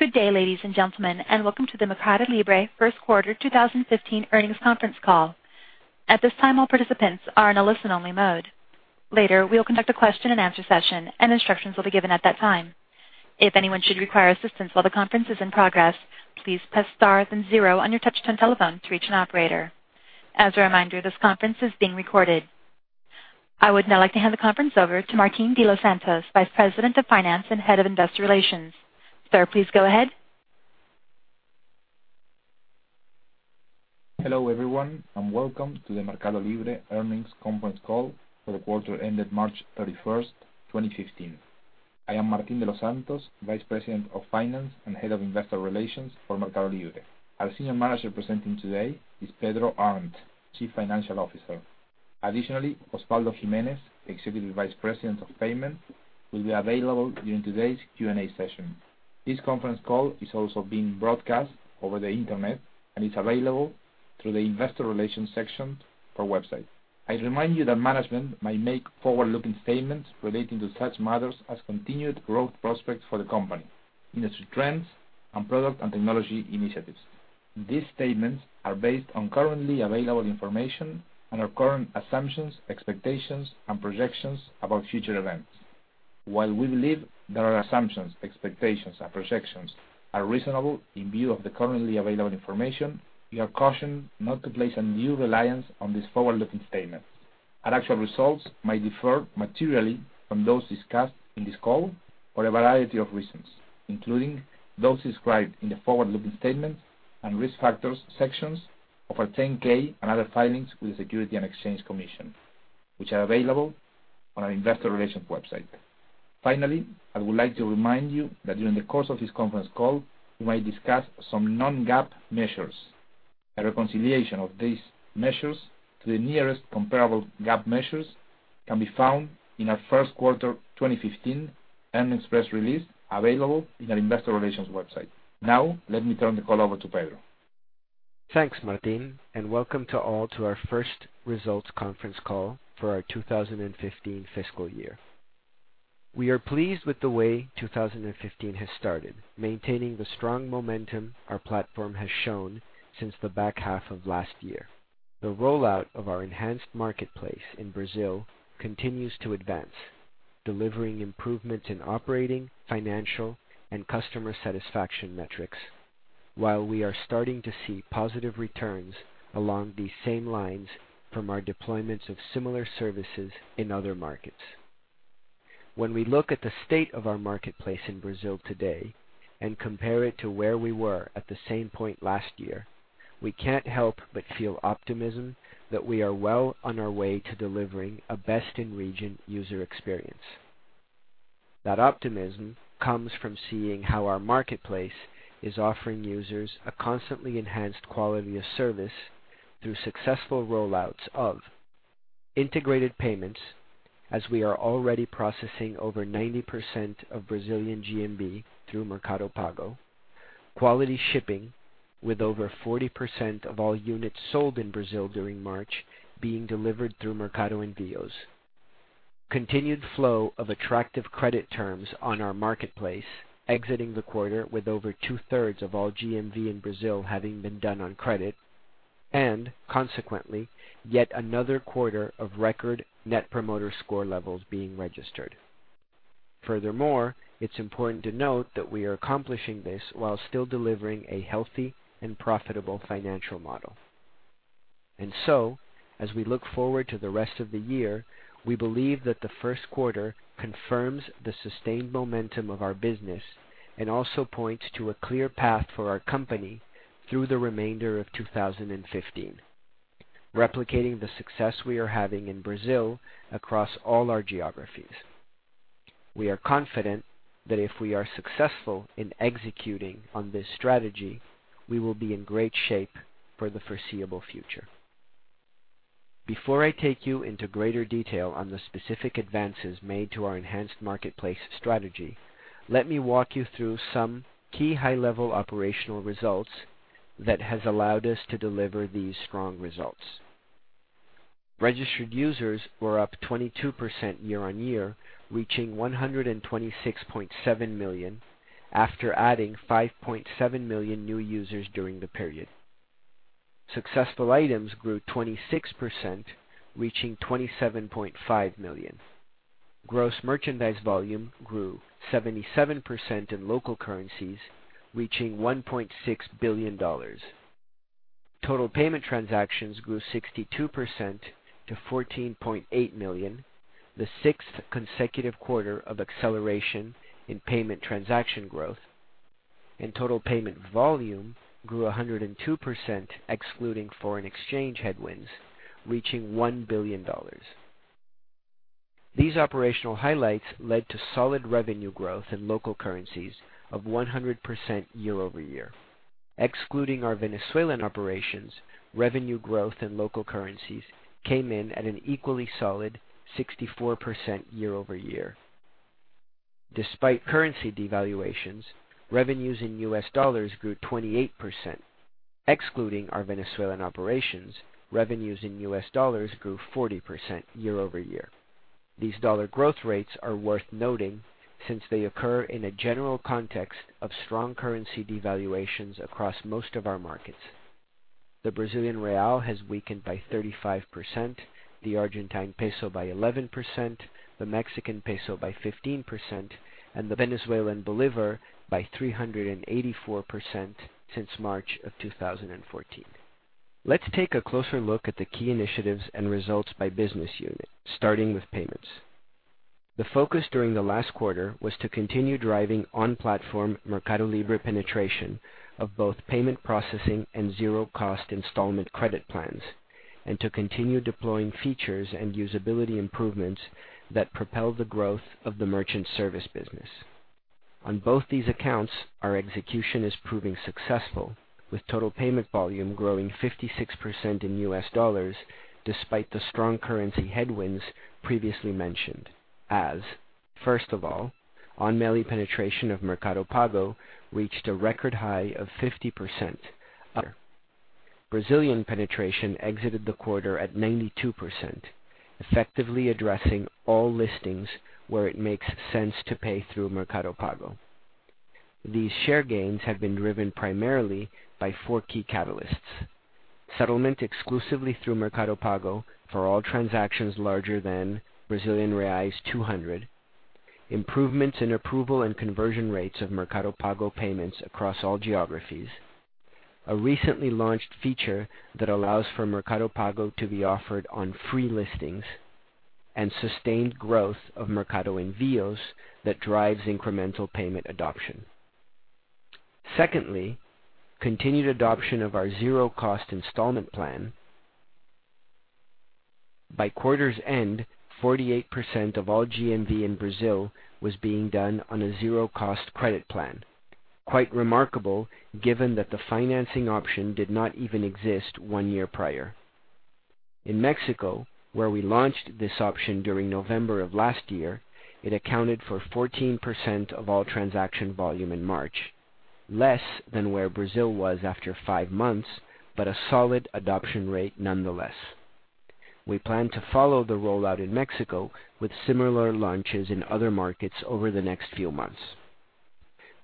Good day, ladies and gentlemen. Welcome to the MercadoLibre first quarter 2015 earnings conference call. At this time, all participants are in a listen-only mode. Later, we will conduct a question-and-answer session, and instructions will be given at that time. If anyone should require assistance while the conference is in progress, please press star then zero on your touch-tone telephone to reach an operator. As a reminder, this conference is being recorded. I would now like to hand the conference over to Martín de los Santos, Vice President of Finance and Head of Investor Relations. Sir, please go ahead. Hello, everyone. Welcome to the MercadoLibre earnings conference call for the quarter ended March 31st, 2015. I am Martín de los Santos, Vice President of Finance and Head of Investor Relations for MercadoLibre. Our Senior Manager presenting today is Pedro Arnt, Chief Financial Officer. Additionally, Osvaldo Gimenez, Executive Vice President of Payment, will be available during today's Q&A session. This conference call is also being broadcast over the internet and is available through the investor relations section of our website. I remind you that management might make forward-looking statements relating to such matters as continued growth prospects for the company, industry trends, and product and technology initiatives. These statements are based on currently available information and our current assumptions, expectations, and projections about future events. While we believe that our assumptions, expectations, and projections are reasonable in view of the currently available information, you are cautioned not to place undue reliance on these forward-looking statements. Our actual results may differ materially from those discussed in this call for a variety of reasons, including those described in the forward-looking statements and risk factors sections of our 10-K and other filings with the Securities and Exchange Commission, which are available on our investor relations website. I would like to remind you that during the course of this conference call, we might discuss some non-GAAP measures. A reconciliation of these measures to the nearest comparable GAAP measures can be found in our first quarter 2015 earnings press release available on our investor relations website. Let me turn the call over to Pedro. Thanks, Martín. Welcome to all to our first results conference call for our 2015 fiscal year. We are pleased with the way 2015 has started, maintaining the strong momentum our platform has shown since the back half of last year. The rollout of our enhanced marketplace in Brazil continues to advance, delivering improvements in operating, financial, and customer satisfaction metrics. While we are starting to see positive returns along these same lines from our deployments of similar services in other markets. We look at the state of our marketplace in Brazil today and compare it to where we were at the same point last year, we can't help but feel optimism that we are well on our way to delivering a best-in-region user experience. That optimism comes from seeing how our marketplace is offering users a constantly enhanced quality of service through successful rollouts of integrated payments, as we are already processing over 90% of Brazilian GMV through Mercado Pago, quality shipping, with over 40% of all units sold in Brazil during March being delivered through Mercado Envios, continued flow of attractive credit terms on our marketplace, exiting the quarter with over two-thirds of all GMV in Brazil having been done on credit, and consequently, yet another quarter of record net promoter score levels being registered. Furthermore, it's important to note that we are accomplishing this while still delivering a healthy and profitable financial model. As we look forward to the rest of the year, we believe that the first quarter confirms the sustained momentum of our business and also points to a clear path for our company through the remainder of 2015, replicating the success we are having in Brazil across all our geographies. We are confident that if we are successful in executing on this strategy, we will be in great shape for the foreseeable future. Before I take you into greater detail on the specific advances made to our enhanced marketplace strategy, let me walk you through some key high-level operational results that has allowed us to deliver these strong results. Registered users were up 22% year-on-year, reaching 126.7 million after adding 5.7 million new users during the period. Successful items grew 26%, reaching 27.5 million. Gross merchandise volume grew 77% in local currencies, reaching $1.6 billion. Total payment transactions grew 62% to 14.8 million, the sixth consecutive quarter of acceleration in payment transaction growth. Total payment volume grew 102%, excluding foreign exchange headwinds, reaching $1 billion. These operational highlights led to solid revenue growth in local currencies of 100% year-over-year. Excluding our Venezuelan operations, revenue growth in local currencies came in at an equally solid 64% year-over-year. Despite currency devaluations, revenues in US dollars grew 28%. Excluding our Venezuelan operations, revenues in US dollars grew 40% year-over-year. These dollar growth rates are worth noting since they occur in a general context of strong currency devaluations across most of our markets. The Brazilian real has weakened by 35%, the Argentine peso by 11%, the Mexican peso by 15%, and the Venezuelan bolivar by 384% since March of 2014. Let's take a closer look at the key initiatives and results by business unit, starting with payments. The focus during the last quarter was to continue driving on-platform MercadoLibre penetration of both payment processing and zero cost installment credit plans, and to continue deploying features and usability improvements that propel the growth of the merchant service business. On both these accounts, our execution is proving successful, with total payment volume growing 56% in US dollars despite the strong currency headwinds previously mentioned as, first of all, on MELI penetration of Mercado Pago reached a record high of 50%. Brazilian penetration exited the quarter at 92%, effectively addressing all listings where it makes sense to pay through Mercado Pago. These share gains have been driven primarily by four key catalysts: settlement exclusively through Mercado Pago for all transactions larger than Brazilian reais 200, improvements in approval and conversion rates of Mercado Pago payments across all geographies, a recently launched feature that allows for Mercado Pago to be offered on free listings, and sustained growth of Mercado Envios that drives incremental payment adoption. Secondly, continued adoption of our zero-cost installment plan. By quarter's end, 48% of all GMV in Brazil was being done on a zero-cost credit plan. Quite remarkable given that the financing option did not even exist one year prior. In Mexico, where we launched this option during November of last year, it accounted for 14% of all transaction volume in March, less than where Brazil was after five months, but a solid adoption rate nonetheless. We plan to follow the rollout in Mexico with similar launches in other markets over the next few months.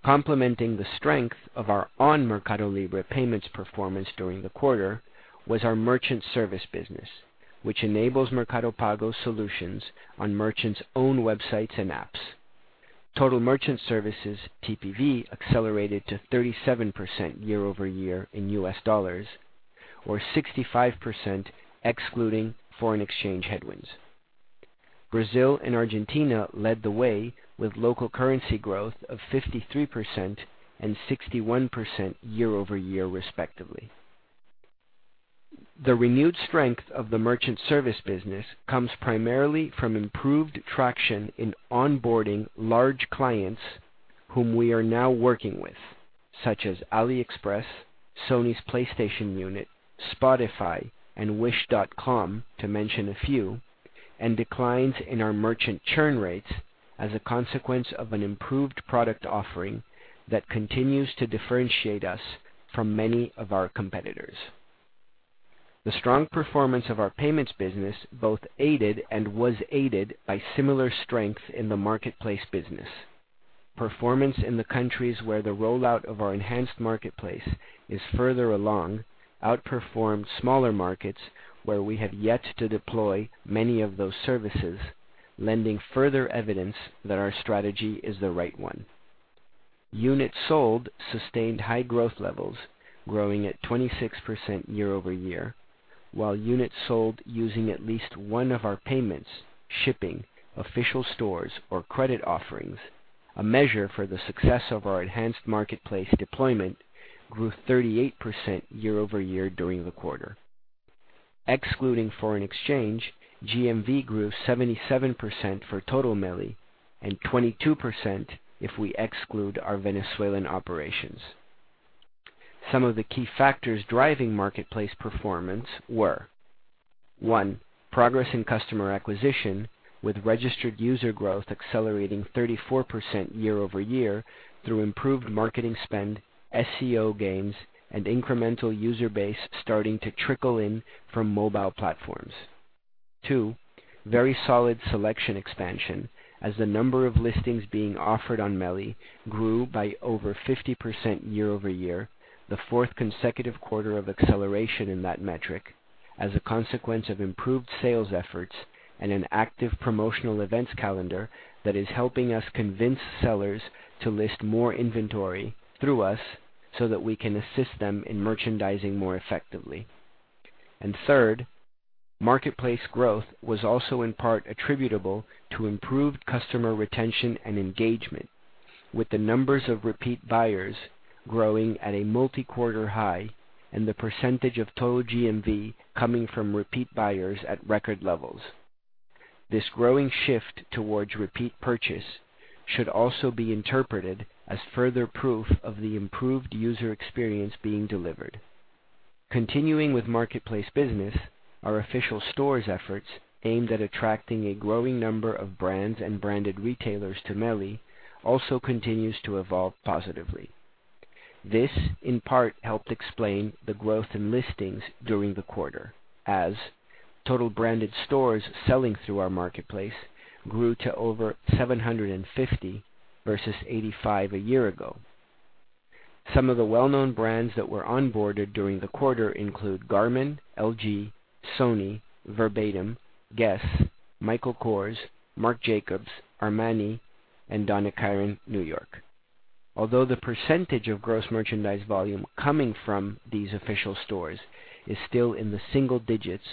Complementing the strength of our on MercadoLibre payments performance during the quarter was our merchant service business, which enables Mercado Pago solutions on merchants' own websites and apps. Total merchant services TPV accelerated to 37% year-over-year in US dollars, or 65% excluding foreign exchange headwinds. Brazil and Argentina led the way with local currency growth of 53% and 61% year-over-year respectively. The renewed strength of the merchant service business comes primarily from improved traction in onboarding large clients whom we are now working with, such as AliExpress, Sony's PlayStation unit, Spotify, and Wish.com, to mention a few, and declines in our merchant churn rates as a consequence of an improved product offering that continues to differentiate us from many of our competitors. The strong performance of our payments business both aided and was aided by similar strength in the marketplace business. Performance in the countries where the rollout of our enhanced marketplace is further along outperformed smaller markets where we have yet to deploy many of those services, lending further evidence that our strategy is the right one. Units sold sustained high growth levels, growing at 26% year-over-year, while units sold using at least one of our payments, shipping, official stores, or credit offerings, a measure for the success of our enhanced marketplace deployment, grew 38% year-over-year during the quarter. Excluding foreign exchange, GMV grew 77% for total MELI and 22% if we exclude our Venezuelan operations. Some of the key factors driving marketplace performance were, one, progress in customer acquisition with registered user growth accelerating 34% year-over-year through improved marketing spend, SEO gains, and incremental user base starting to trickle in from mobile platforms. Two, very solid selection expansion as the number of listings being offered on MELI grew by over 50% year-over-year, the fourth consecutive quarter of acceleration in that metric, as a consequence of improved sales efforts and an active promotional events calendar that is helping us convince sellers to list more inventory through us so that we can assist them in merchandising more effectively. Third, marketplace growth was also in part attributable to improved customer retention and engagement with the numbers of repeat buyers growing at a multi-quarter high and the percentage of total GMV coming from repeat buyers at record levels. This growing shift towards repeat purchase should also be interpreted as further proof of the improved user experience being delivered. Continuing with marketplace business, our official stores efforts aimed at attracting a growing number of brands and branded retailers to MELI also continues to evolve positively. This, in part, helped explain the growth in listings during the quarter, as total branded stores selling through our marketplace grew to over 750 versus 85 a year ago. Some of the well-known brands that were onboarded during the quarter include Garmin, LG, Sony, Verbatim, Guess, Michael Kors, Marc Jacobs, Armani, and Donna Karan New York. Although the percentage of gross merchandise volume coming from these official stores is still in the single digits,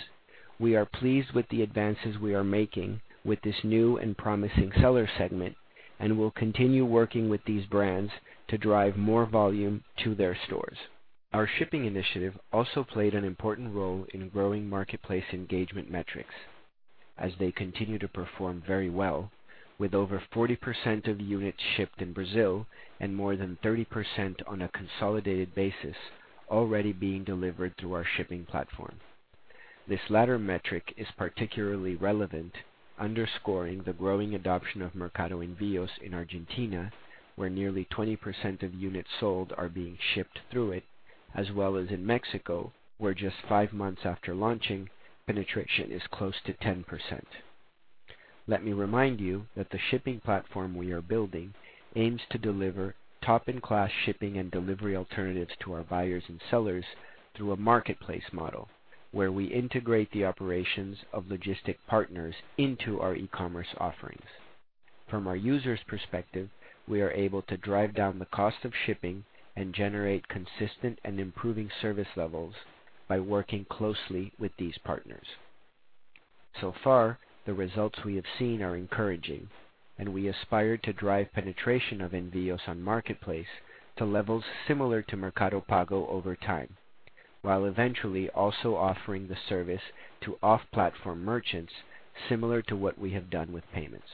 we are pleased with the advances we are making with this new and promising seller segment, and will continue working with these brands to drive more volume to their stores. Our shipping initiative also played an important role in growing marketplace engagement metrics as they continue to perform very well, with over 40% of units shipped in Brazil and more than 30% on a consolidated basis already being delivered through our shipping platform. This latter metric is particularly relevant, underscoring the growing adoption of Mercado Envios in Argentina, where nearly 20% of units sold are being shipped through it, as well as in Mexico, where just five months after launching, penetration is close to 10%. Let me remind you that the shipping platform we are building aims to deliver top-in-class shipping and delivery alternatives to our buyers and sellers through a marketplace model where we integrate the operations of logistic partners into our e-commerce offerings. From our users' perspective, we are able to drive down the cost of shipping and generate consistent and improving service levels by working closely with these partners. So far, the results we have seen are encouraging, and we aspire to drive penetration of Envios on Marketplace to levels similar to Mercado Pago over time, while eventually also offering the service to off-platform merchants similar to what we have done with payments.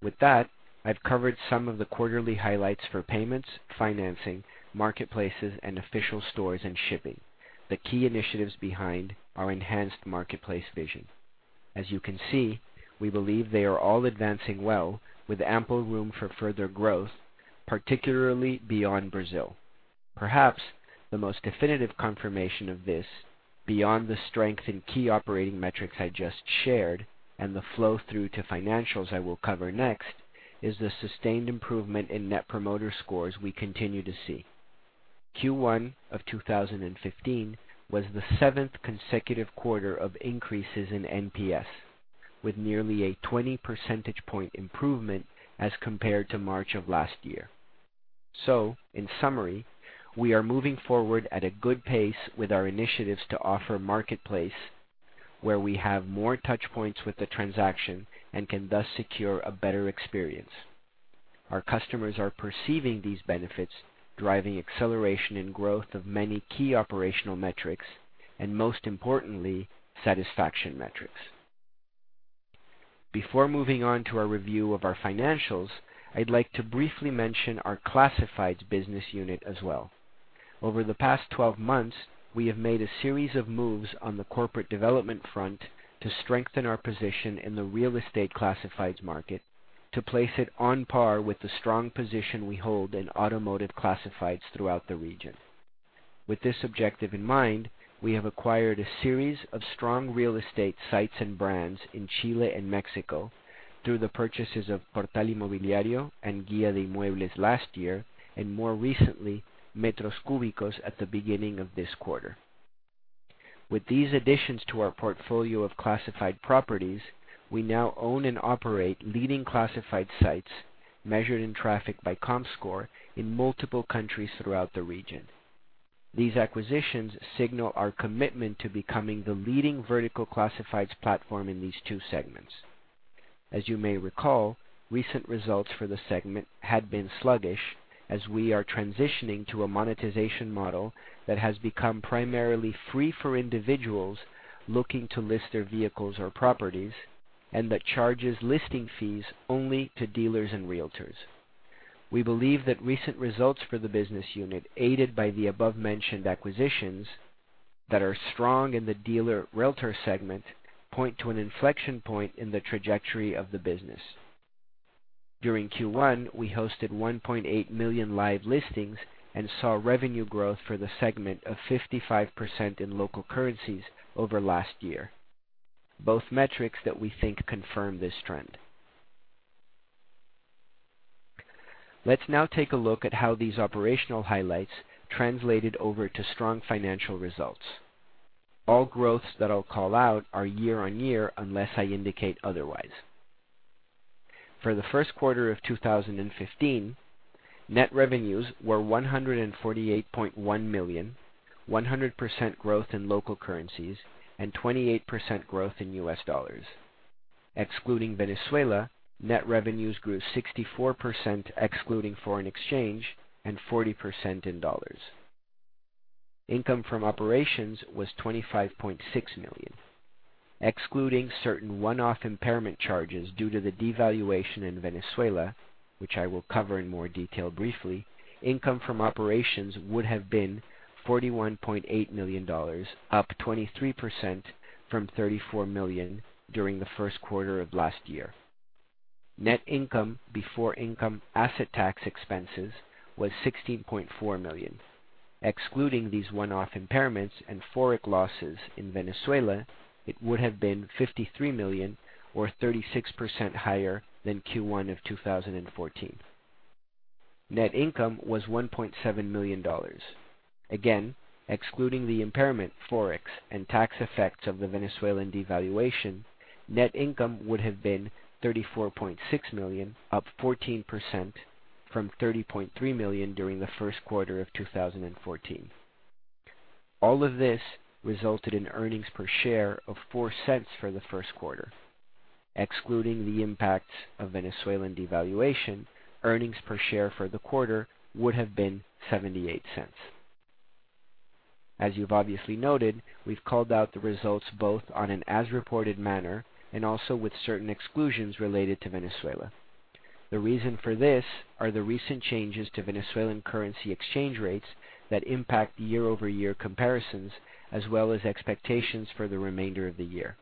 With that, I've covered some of the quarterly highlights for payments, financing, marketplaces, and official stores and shipping, the key initiatives behind our enhanced marketplace vision. As you can see, we believe they are all advancing well with ample room for further growth, particularly beyond Brazil. Perhaps the most definitive confirmation of this, beyond the strength in key operating metrics I just shared and the flow-through to financials I will cover next, is the sustained improvement in net promoter scores we continue to see. Q1 of 2015 was the seventh consecutive quarter of increases in NPS, with nearly a 20 percentage point improvement as compared to March of last year. In summary, we are moving forward at a good pace with our initiatives to offer marketplace, where we have more touch points with the transaction and can thus secure a better experience. Our customers are perceiving these benefits, driving acceleration and growth of many key operational metrics, and most importantly, satisfaction metrics. Before moving on to our review of our financials, I'd like to briefly mention our classifieds business unit as well. Over the past 12 months, we have made a series of moves on the corporate development front to strengthen our position in the real estate classifieds market to place it on par with the strong position we hold in automotive classifieds throughout the region. With this objective in mind, we have acquired a series of strong real estate sites and brands in Chile and Mexico through the purchases of Portal Inmobiliario and Guia de Inmuebles last year, and more recently, Metros Cúbicos at the beginning of this quarter. With these additions to our portfolio of classified properties, we now own and operate leading classified sites measured in traffic by Comscore in multiple countries throughout the region. These acquisitions signal our commitment to becoming the leading vertical classifieds platform in these two segments. As you may recall, recent results for the segment had been sluggish as we are transitioning to a monetization model that has become primarily free for individuals looking to list their vehicles or properties, and that charges listing fees only to dealers and realtors. We believe that recent results for the business unit, aided by the above-mentioned acquisitions that are strong in the dealer/realtor segment, point to an inflection point in the trajectory of the business. During Q1, we hosted 1.8 million live listings and saw revenue growth for the segment of 55% in local currencies over last year, both metrics that we think confirm this trend. Let's now take a look at how these operational highlights translated over to strong financial results. All growths that I'll call out are year-over-year, unless I indicate otherwise. For the first quarter of 2015, net revenues were $148.1 million, 100% growth in local currencies and 28% growth in US dollars. Excluding Venezuela, net revenues grew 64%, excluding foreign exchange and 40% in US dollars. Income from operations was $25.6 million. Excluding certain one-off impairment charges due to the devaluation in Venezuela, which I will cover in more detail briefly, income from operations would have been $41.8 million, up 23% from $34 million during the first quarter of last year. Net income before income asset tax expenses was $16.4 million. Excluding these one-off impairments and Forex losses in Venezuela, it would have been $53 million or 36% higher than Q1 of 2014. Net income was $1.7 million. Again, excluding the impairment, Forex, and tax effects of the Venezuelan devaluation, net income would have been $34.6 million, up 14% from $30.3 million during the first quarter of 2014. All of this resulted in earnings per share of $0.04 for the first quarter. Excluding the impacts of Venezuelan devaluation, earnings per share for the quarter would have been $0.78. As you've obviously noted, we've called out the results both on an as-reported manner and also with certain exclusions related to Venezuela. The reason for this are the recent changes to Venezuelan currency exchange rates that impact year-over-year comparisons, as well as expectations for the remainder of the year.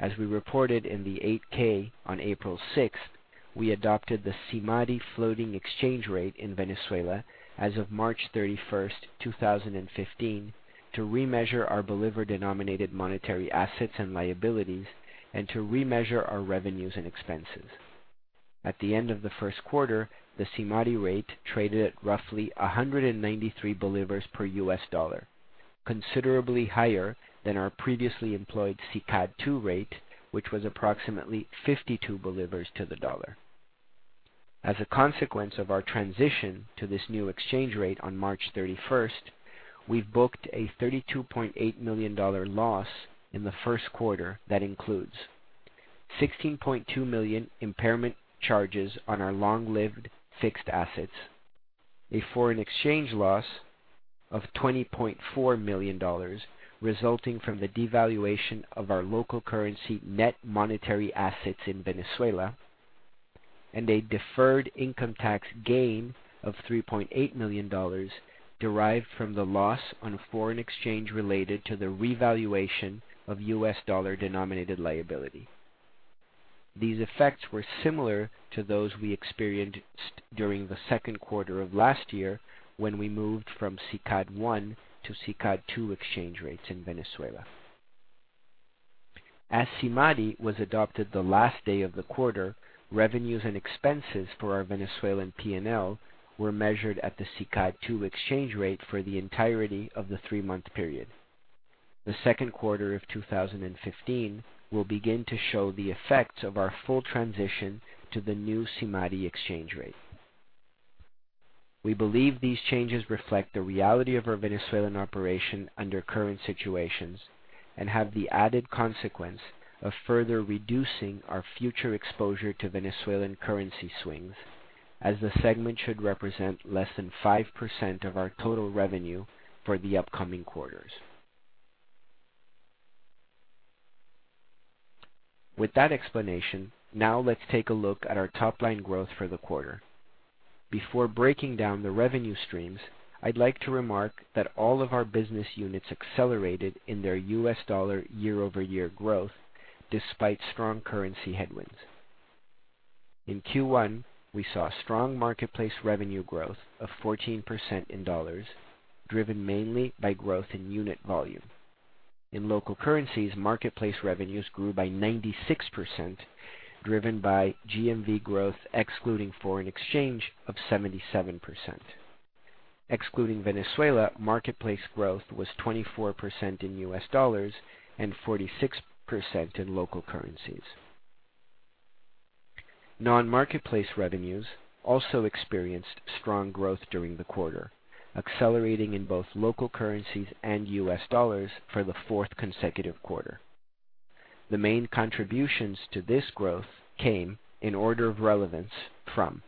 As we reported in the 8-K on April 6th, we adopted the SIMADI floating exchange rate in Venezuela as of March 31st, 2015, to remeasure our bolivar-denominated monetary assets and liabilities and to remeasure our revenues and expenses. At the end of the first quarter, the SIMADI rate traded at roughly 193 bolivars per US dollar, considerably higher than our previously employed SICAD II rate, which was approximately 52 bolivars to the dollar. As a consequence of our transition to this new exchange rate on March 31st, we've booked a $32.8 million loss in the first quarter that includes $16.2 million impairment charges on our long-lived fixed assets, a foreign exchange loss of $20.4 million resulting from the devaluation of our local currency net monetary assets in Venezuela, and a deferred income tax gain of $3.8 million derived from the loss on foreign exchange related to the revaluation of US dollar-denominated liability. These effects were similar to those we experienced during the second quarter of last year when we moved from SICAD I to SICAD II exchange rates in Venezuela. As SIMADI was adopted the last day of the quarter, revenues and expenses for our Venezuelan P&L were measured at the SICAD II exchange rate for the entirety of the three-month period. The second quarter of 2015 will begin to show the effects of our full transition to the new SIMADI exchange rate. We believe these changes reflect the reality of our Venezuelan operation under current situations and have the added consequence of further reducing our future exposure to Venezuelan currency swings, as the segment should represent less than 5% of our total revenue for the upcoming quarters. With that explanation, now let's take a look at our top-line growth for the quarter. Before breaking down the revenue streams, I'd like to remark that all of our business units accelerated in their US dollar year-over-year growth despite strong currency headwinds. In Q1, we saw strong marketplace revenue growth of 14% in US dollars, driven mainly by growth in unit volume. In local currencies, marketplace revenues grew by 96%, driven by GMV growth, excluding foreign exchange, of 77%. Excluding Venezuela, marketplace growth was 24% in US dollars and 46% in local currencies. Non-marketplace revenues also experienced strong growth during the quarter, accelerating in both local currencies and US dollars for the fourth consecutive quarter. The main contributions to this growth came, in order of relevance, from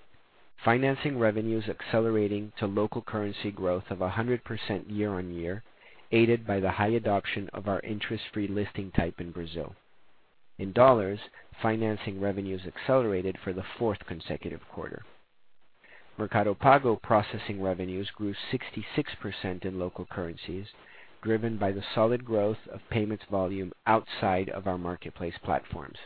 financing revenues accelerating to local currency growth of 100% year-on-year, aided by the high adoption of our interest-free listing type in Brazil. In US dollars, financing revenues accelerated for the fourth consecutive quarter. Mercado Pago processing revenues grew 66% in local currencies, driven by the solid growth of payments volume outside of our marketplace platforms.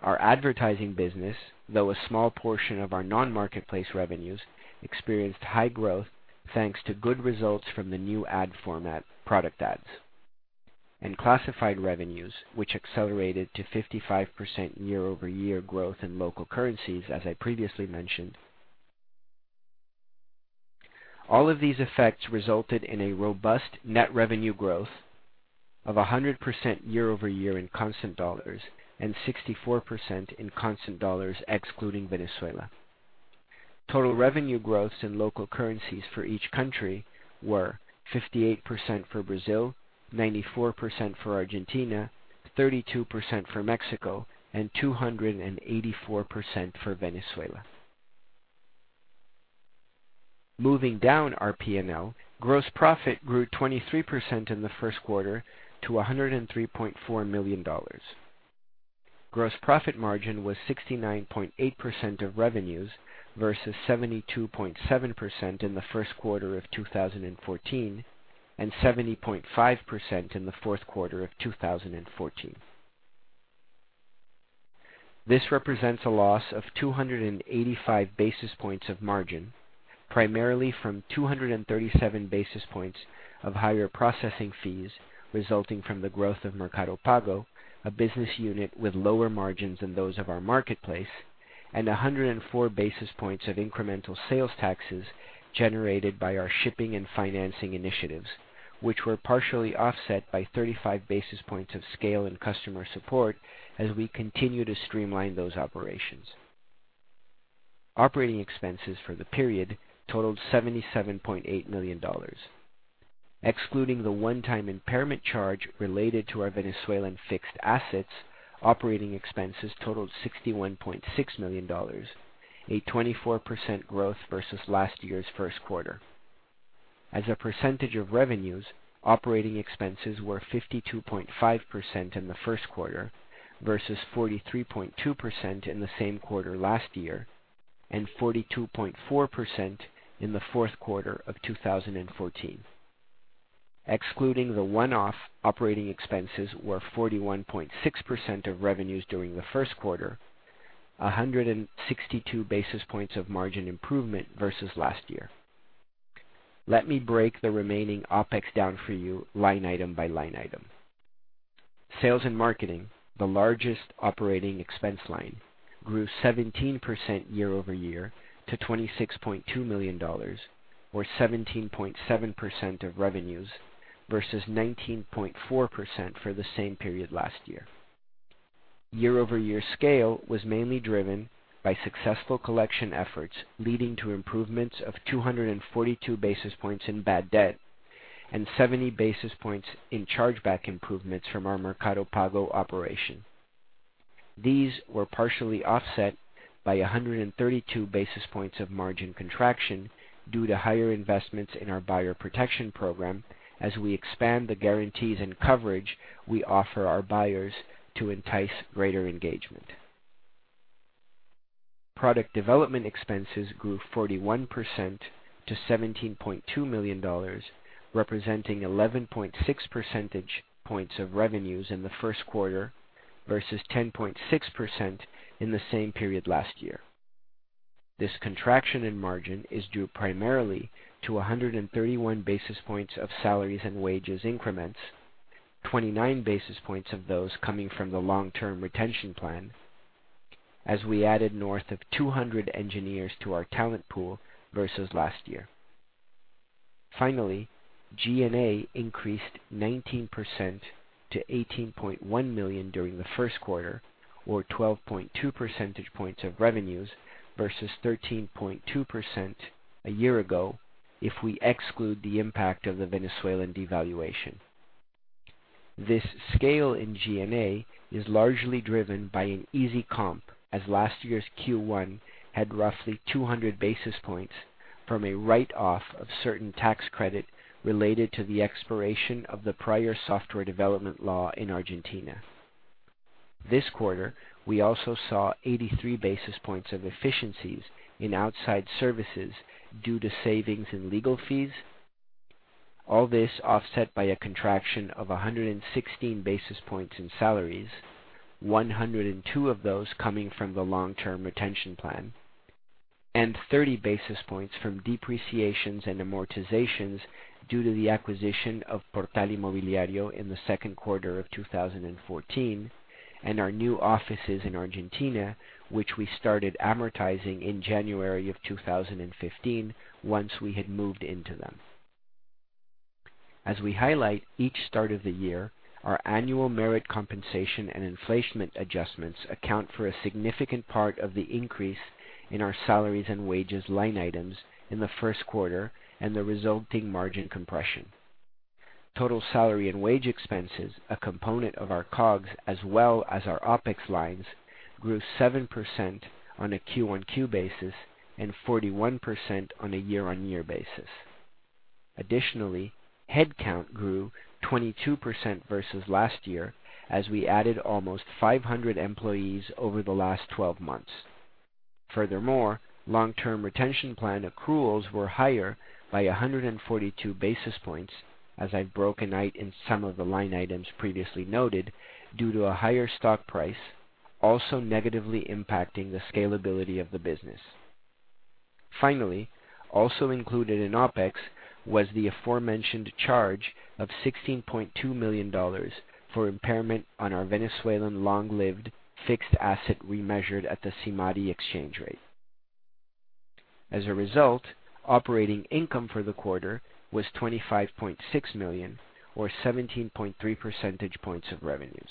Our advertising business, though a small portion of our non-marketplace revenues, experienced high growth thanks to good results from the new ad format Product Ads. Classified revenues, which accelerated to 55% year-over-year growth in local currencies, as I previously mentioned. All of these effects resulted in a robust net revenue growth of 100% year-over-year in constant US dollars and 64% in constant US dollars excluding Venezuela. Total revenue growths in local currencies for each country were 58% for Brazil, 94% for Argentina, 32% for Mexico, and 284% for Venezuela. Moving down our P&L, gross profit grew 23% in the first quarter to $103.4 million. Gross profit margin was 69.8% of revenues versus 72.7% in the first quarter of 2014, and 70.5% in the fourth quarter of 2014. This represents a loss of 285 basis points of margin, primarily from 237 basis points of higher processing fees resulting from the growth of Mercado Pago, a business unit with lower margins than those of our marketplace, and 104 basis points of incremental sales taxes generated by our shipping and financing initiatives, which were partially offset by 35 basis points of scale in customer support as we continue to streamline those operations. Operating expenses for the period totaled $77.8 million. Excluding the one-time impairment charge related to our Venezuelan fixed assets, operating expenses totaled $61.6 million, a 24% growth versus last year's first quarter. As a percentage of revenues, operating expenses were 52.5% in the first quarter versus 43.2% in the same quarter last year, and 42.4% in the fourth quarter of 2014. Excluding the one-off, operating expenses were 41.6% of revenues during the first quarter, 162 basis points of margin improvement versus last year. Let me break the remaining OpEx down for you line item by line item. Sales and marketing, the largest operating expense line, grew 17% year-over-year to $26.2 million, or 17.7% of revenues versus 19.4% for the same period last year. Year-over-year scale was mainly driven by successful collection efforts, leading to improvements of 242 basis points in bad debt and 70 basis points in chargeback improvements from our Mercado Pago operation. These were partially offset by 132 basis points of margin contraction due to higher investments in our buyer protection program, as we expand the guarantees and coverage we offer our buyers to entice greater engagement. Product development expenses grew 41% to $17.2 million, representing 11.6 percentage points of revenues in the first quarter versus 10.6% in the same period last year. This contraction in margin is due primarily to 131 basis points of salaries and wages increments, 29 basis points of those coming from the long-term retention plan, as we added north of 200 engineers to our talent pool versus last year. Finally, G&A increased 19% to $18.1 million during the first quarter, or 12.2 percentage points of revenues versus 13.2% a year ago if we exclude the impact of the Venezuelan devaluation. This scale in G&A is largely driven by an easy comp, as last year's Q1 had roughly 200 basis points from a write-off of certain tax credit related to the expiration of the prior software development law in Argentina. This quarter, we also saw 83 basis points of efficiencies in outside services due to savings in legal fees. All this offset by a contraction of 116 basis points in salaries, 102 of those coming from the long-term retention plan, and 30 basis points from depreciations and amortizations due to the acquisition of Portal Inmobiliario in the second quarter of 2014, and our new offices in Argentina, which we started amortizing in January of 2015 once we had moved into them. As we highlight each start of the year, our annual merit compensation and inflation adjustments account for a significant part of the increase in our salaries and wages line items in the first quarter and the resulting margin compression. Total salary and wage expenses, a component of our COGS as well as our OpEx lines, grew 7% on a Q-on-Q basis and 41% on a year-on-year basis. Additionally, headcount grew 22% versus last year as we added almost 500 employees over the last 12 months. Furthermore, long-term retention plan accruals were higher by 142 basis points, as I broke out in some of the line items previously noted, due to a higher stock price also negatively impacting the scalability of the business. Finally, also included in OpEx was the aforementioned charge of $16.2 million for impairment on our Venezuelan long-lived fixed asset remeasured at the SIMADI exchange rate. As a result, operating income for the quarter was $25.6 million, or 17.3 percentage points of revenues.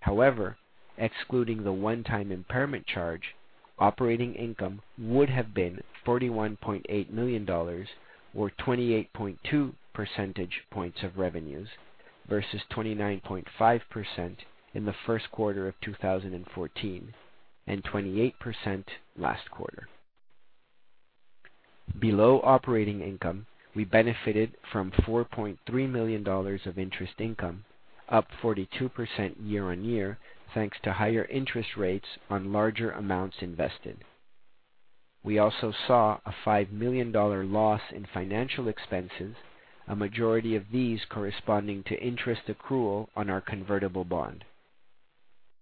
However, excluding the one-time impairment charge, operating income would have been $41.8 million, or 28.2 percentage points of revenues, versus 29.5% in the first quarter of 2014. 28% last quarter. Below operating income, we benefited from $4.3 million of interest income, up 42% year-on-year, thanks to higher interest rates on larger amounts invested. We also saw a $5 million loss in financial expenses, a majority of these corresponding to interest accrual on our convertible bond.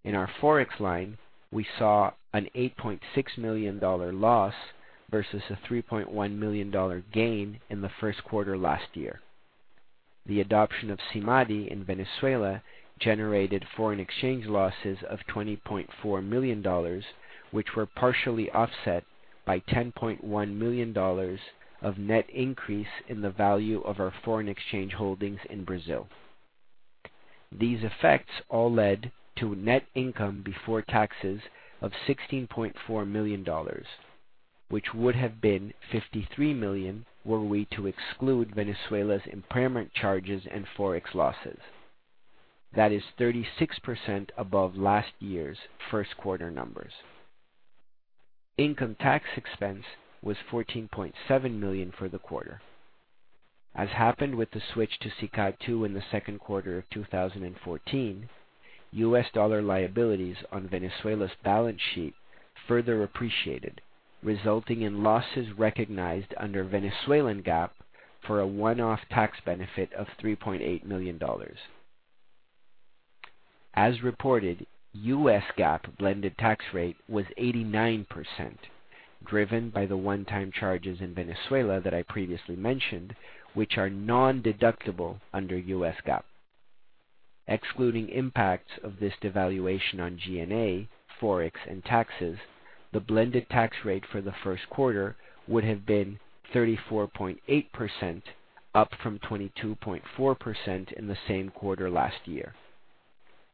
In our Forex line, we saw an $8.6 million loss versus a $3.1 million gain in the first quarter last year. The adoption of SIMADI in Venezuela generated foreign exchange losses of $20.4 million, which were partially offset by $10.1 million of net increase in the value of our foreign exchange holdings in Brazil. These effects all led to net income before taxes of $16.4 million, which would have been $53 million were we to exclude Venezuela's impairment charges and Forex losses. That is 36% above last year's first quarter numbers. Income tax expense was $14.7 million for the quarter. As happened with the switch to SICAD II in the second quarter of 2014, US dollar liabilities on Venezuela's balance sheet further appreciated, resulting in losses recognized under Venezuelan GAAP for a one-off tax benefit of $3.8 million. As reported, US GAAP blended tax rate was 89%, driven by the one-time charges in Venezuela that I previously mentioned, which are non-deductible under US GAAP. Excluding impacts of this devaluation on G&A, Forex, and taxes, the blended tax rate for the first quarter would have been 34.8%, up from 22.4% in the same quarter last year.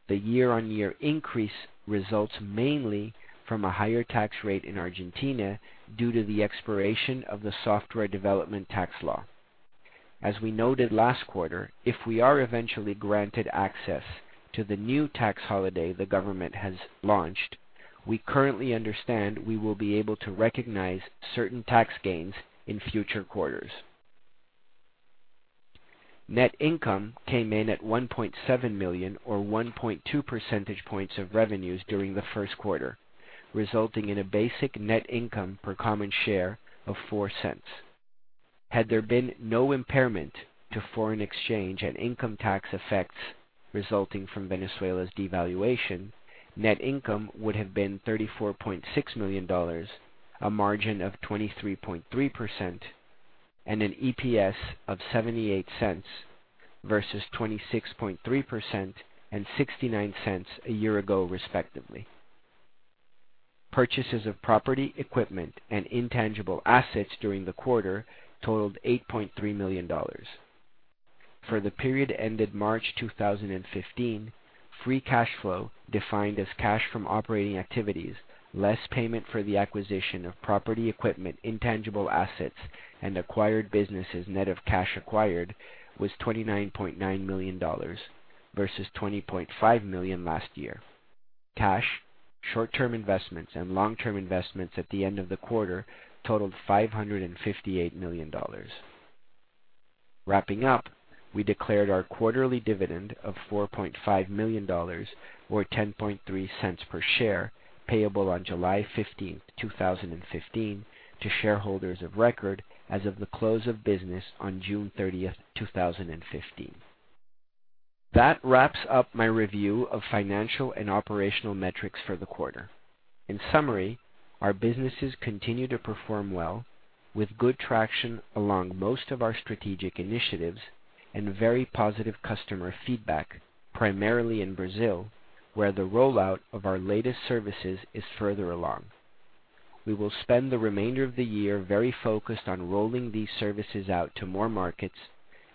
The year-on-year increase results mainly from a higher tax rate in Argentina due to the expiration of the software development tax law. As we noted last quarter, if we are eventually granted access to the new tax holiday the government has launched, we currently understand we will be able to recognize certain tax gains in future quarters. Net income came in at $1.7 million or 1.2 percentage points of revenues during the first quarter, resulting in a basic net income per common share of $0.04. Had there been no impairment to foreign exchange and income tax effects resulting from Venezuela's devaluation, net income would have been $34.6 million, a margin of 23.3%, and an EPS of $0.78 versus 26.3% and $0.69 a year ago, respectively. Purchases of property, equipment, and intangible assets during the quarter totaled $8.3 million. For the period ended March 2015, free cash flow defined as cash from operating activities, less payment for the acquisition of property, equipment, intangible assets, and acquired businesses net of cash acquired was $29.9 million versus $20.5 million last year. Cash, short-term investments, and long-term investments at the end of the quarter totaled $558 million. Wrapping up, we declared our quarterly dividend of $4.5 million, or $0.103 per share, payable on July 15th, 2015, to shareholders of record as of the close of business on June 30th, 2015. That wraps up my review of financial and operational metrics for the quarter. In summary, our businesses continue to perform well with good traction along most of our strategic initiatives and very positive customer feedback, primarily in Brazil, where the rollout of our latest services is further along. We will spend the remainder of the year very focused on rolling these services out to more markets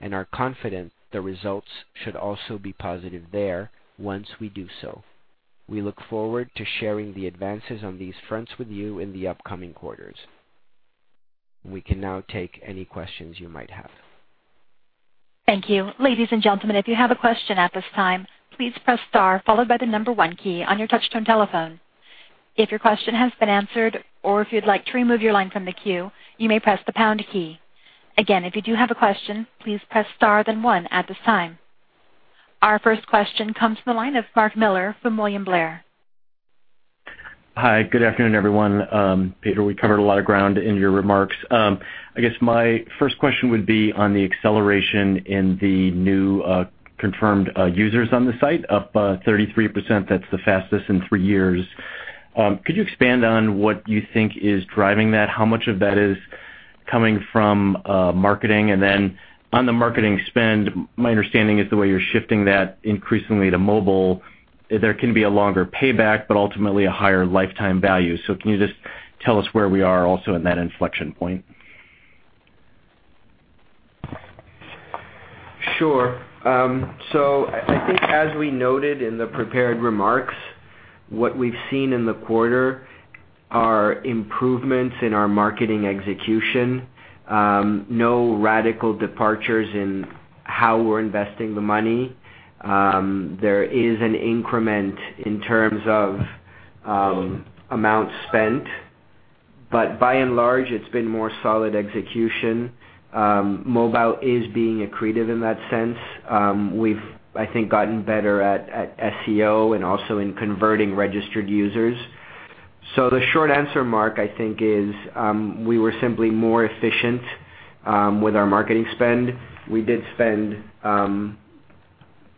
and are confident the results should also be positive there once we do so. We look forward to sharing the advances on these fronts with you in the upcoming quarters. We can now take any questions you might have. Thank you. Ladies and gentlemen, if you have a question at this time, please press star followed by the number 1 key on your touch-tone telephone. If your question has been answered or if you'd like to remove your line from the queue, you may press the pound key. Again, if you do have a question, please press star then 1 at this time. Our first question comes from the line of Mark Miller from William Blair. Hi. Good afternoon, everyone. Pedro, we covered a lot of ground in your remarks. I guess my first question would be on the acceleration in the new confirmed users on the site, up 33%. That's the fastest in three years. Could you expand on what you think is driving that? How much of that is coming from marketing? On the marketing spend, my understanding is the way you're shifting that increasingly to mobile, there can be a longer payback, but ultimately a higher lifetime value. Can you just tell us where we are also in that inflection point? Sure. I think as we noted in the prepared remarks, what we've seen in the quarter Are improvements in our marketing execution. No radical departures in how we're investing the money. There is an increment in terms of amount spent. By and large, it's been more solid execution. Mobile is being accretive in that sense. We've, I think, gotten better at SEO and also in converting registered users. The short answer, Mark, I think, is we were simply more efficient with our marketing spend. We did spend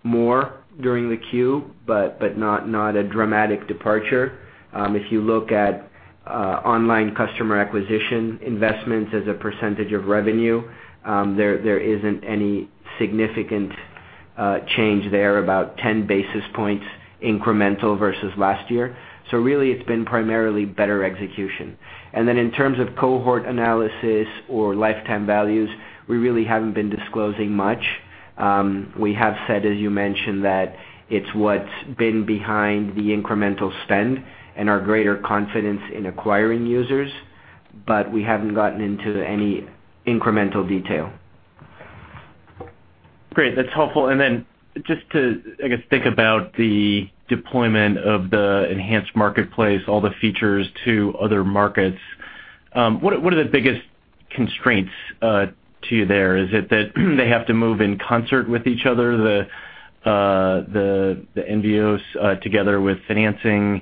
more during the Q, but not a dramatic departure. If you look at online customer acquisition investments as a percentage of revenue, there isn't any significant change there, about 10 basis points incremental versus last year. Really, it's been primarily better execution. Then in terms of cohort analysis or lifetime values, we really haven't been disclosing much. We have said, as you mentioned, that it's what's been behind the incremental spend and our greater confidence in acquiring users. We haven't gotten into any incremental detail. Great. That's helpful. Then just to, I guess, think about the deployment of the enhanced marketplace, all the features to other markets. What are the biggest constraints to you there? Is it that they have to move in concert with each other, the Envios together with financing?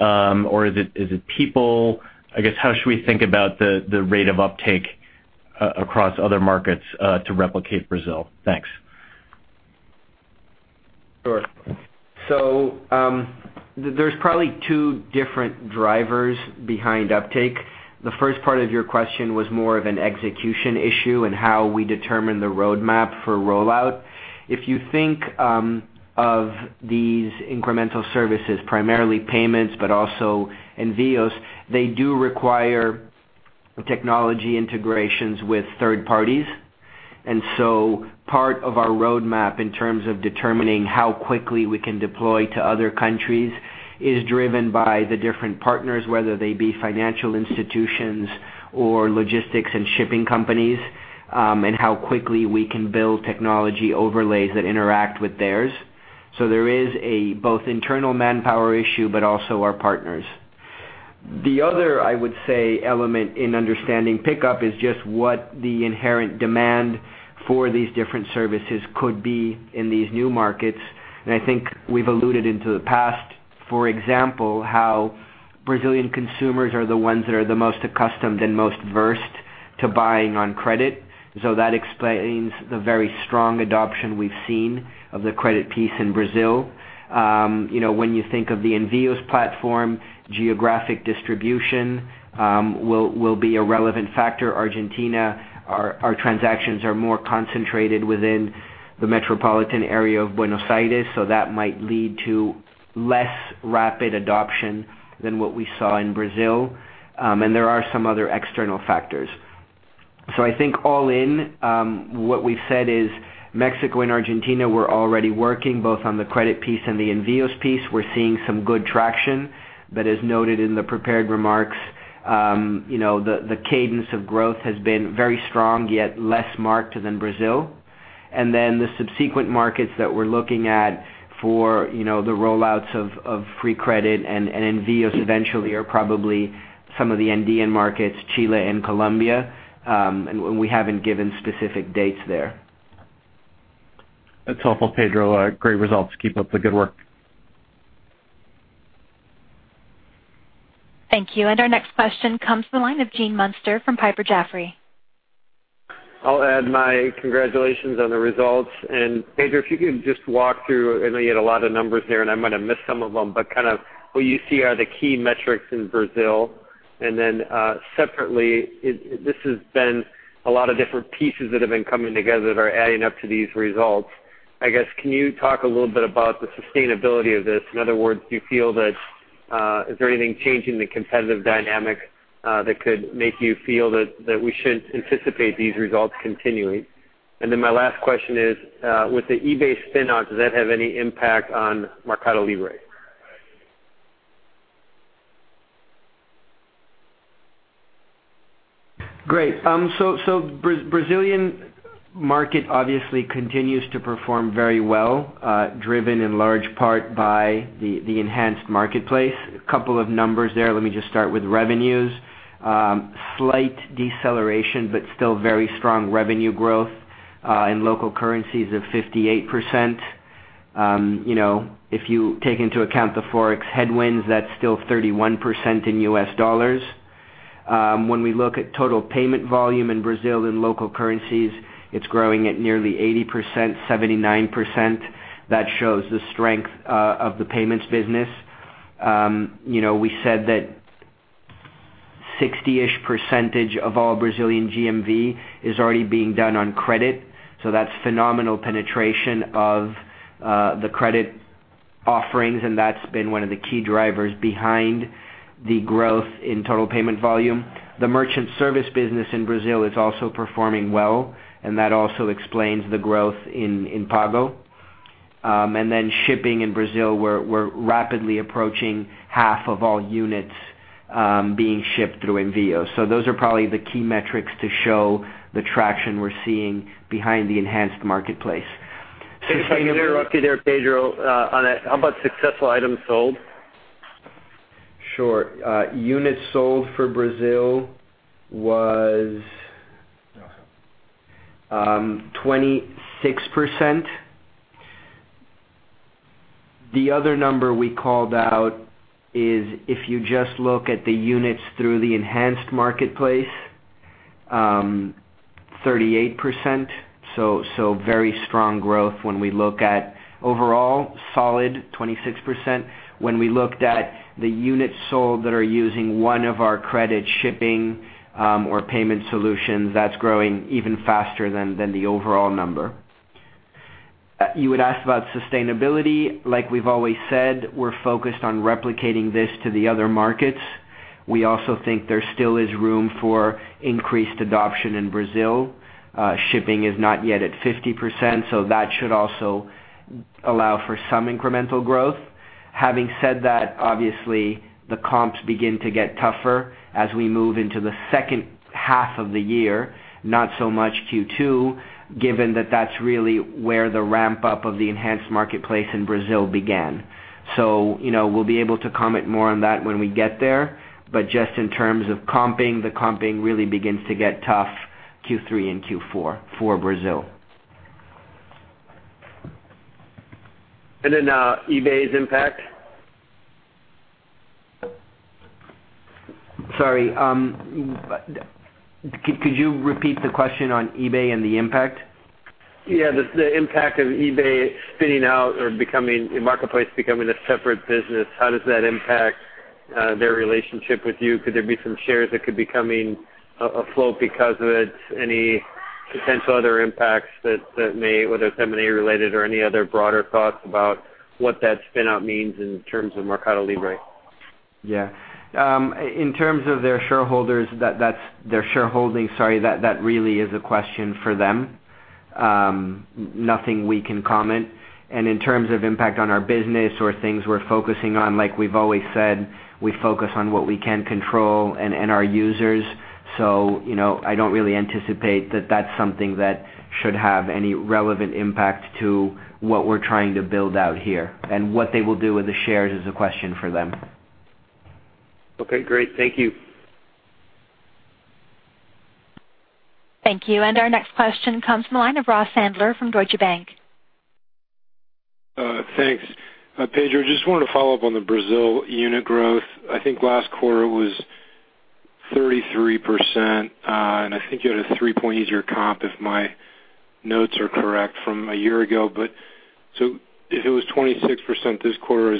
Or is it people? I guess, how should we think about the rate of uptake, across other markets to replicate Brazil? Thanks. Sure. There's probably two different drivers behind uptake. The first part of your question was more of an execution issue and how we determine the roadmap for rollout. If you think of these incremental services, primarily payments, but also Envios, they do require technology integrations with third parties. Part of our roadmap in terms of determining how quickly we can deploy to other countries is driven by the different partners, whether they be financial institutions or logistics and shipping companies, and how quickly we can build technology overlays that interact with theirs. There is a both internal manpower issue, but also our partners. The other, I would say, element in understanding pickup is just what the inherent demand for these different services could be in these new markets. I think we've alluded into the past, for example, how Brazilian consumers are the ones that are the most accustomed and most versed to buying on credit. That explains the very strong adoption we've seen of the credit piece in Brazil. When you think of the Envios platform, geographic distribution will be a relevant factor. Argentina, our transactions are more concentrated within the metropolitan area of Buenos Aires, that might lead to less rapid adoption than what we saw in Brazil. There are some other external factors. I think all in, what we've said is Mexico and Argentina, we're already working both on the credit piece and the Envios piece. We're seeing some good traction. As noted in the prepared remarks, the cadence of growth has been very strong, yet less marked than Brazil. The subsequent markets that we're looking at for the rollouts of free credit and Envios eventually are probably some of the Andean markets, Chile and Colombia. We haven't given specific dates there. That's helpful, Pedro. Great results. Keep up the good work. Thank you. Our next question comes from the line of Gene Munster from Piper Jaffray. I'll add my congratulations on the results. Pedro, if you could just walk through, I know you had a lot of numbers there, and I might have missed some of them, but kind of what you see are the key metrics in Brazil. Separately, this has been a lot of different pieces that have been coming together that are adding up to these results. I guess, can you talk a little bit about the sustainability of this? In other words, do you feel that, is there anything changing the competitive dynamic that could make you feel that we should anticipate these results continuing? My last question is, with the eBay spinoff, does that have any impact on MercadoLibre? Great. Brazilian market obviously continues to perform very well, driven in large part by the enhanced marketplace. A couple of numbers there. Let me just start with revenues. Slight deceleration, but still very strong revenue growth in local currencies of 58%. If you take into account the Forex headwinds, that's still 31% in US dollars. When we look at total payment volume in Brazil in local currencies, it's growing at nearly 80%, 79%. That shows the strength of the payments business. We said that 60-ish% of all Brazilian GMV is already being done on credit. That's phenomenal penetration of the credit offerings, and that's been one of the key drivers behind the growth in total payment volume. The merchant service business in Brazil is also performing well, and that also explains the growth in Pago. Shipping in Brazil, we're rapidly approaching half of all units being shipped through Envios. Those are probably the key metrics to show the traction we're seeing behind the enhanced marketplace. Sorry to interrupt you there, Pedro, on that. How about successful items sold? Sure. Units sold for Brazil was 26%. The other number we called out is if you just look at the units through the enhanced marketplace, 38%. Very strong growth when we look at overall solid 26%. When we looked at the units sold that are using one of our credit shipping or payment solutions, that's growing even faster than the overall number. You would ask about sustainability. Like we've always said, we're focused on replicating this to the other markets. We also think there still is room for increased adoption in Brazil. Shipping is not yet at 50%, that should also allow for some incremental growth. Having said that, obviously, the comps begin to get tougher as we move into the second half of the year, not so much Q2, given that that's really where the ramp-up of the enhanced marketplace in Brazil began. We'll be able to comment more on that when we get there. Just in terms of comping, the comping really begins to get tough Q3 and Q4 for Brazil. eBay's impact? Sorry. Could you repeat the question on eBay and the impact? Yeah, the impact of eBay spinning out or marketplace becoming a separate business, how does that impact their relationship with you? Could there be some shares that could be coming afloat because of it? Any potential other impacts that may, whether it's M&A related or any other broader thoughts about what that spin out means in terms of MercadoLibre? Yeah. In terms of their shareholding, that really is a question for them. Nothing we can comment. In terms of impact on our business or things we're focusing on, like we've always said, we focus on what we can control and our users. I don't really anticipate that that's something that should have any relevant impact to what we're trying to build out here. What they will do with the shares is a question for them. Okay, great. Thank you. Thank you. Our next question comes from the line of Ross Sandler from Deutsche Bank. Thanks. Pedro, just wanted to follow up on the Brazil unit growth. I think last quarter was 33%, and I think you had a three-point easier comp, if my notes are correct from a year ago. If it was 26% this quarter,